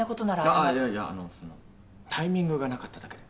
あっあぁいやそのタイミングがなかっただけで。